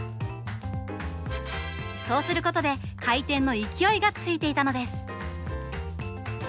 そうすることで回転の勢いがついていたのです。